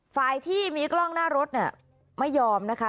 ฝ่ายที่มีกล้องหน้ารถเนี่ยไม่ยอมนะคะ